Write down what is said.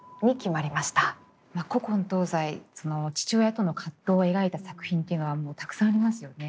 古今東西父親との葛藤を描いた作品っていうのはもうたくさんありますよね。